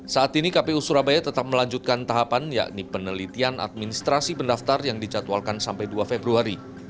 saat ini kpu surabaya tetap melanjutkan tahapan yakni penelitian administrasi pendaftar yang dicatwalkan sampai dua februari